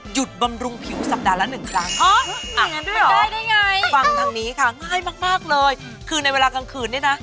หยุดบำรุงผิวสัปดาห์ละ๑ครั้งอ่ะฟังทางนี้ค่ะง่ายมากเลยคือในเวลากลางคืนเนี่ยนะ